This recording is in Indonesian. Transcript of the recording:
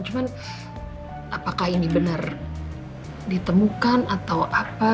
cuman apakah ini benar ditemukan atau apa